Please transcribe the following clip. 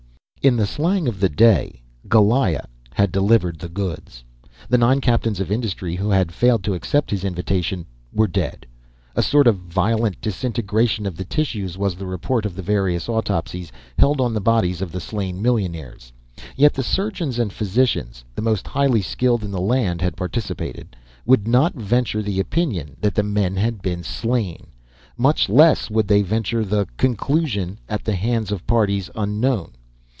In the slang of the day, Goliah had delivered the goods. The nine captains of industry who had failed to accept his invitation were dead. A sort of violent disintegration of the tissues was the report of the various autopsies held on the bodies of the slain millionaires; yet the surgeons and physicians (the most highly skilled in the land had participated) would not venture the opinion that the men had been slain. Much less would they venture the conclusion, "at the hands of parties unknown."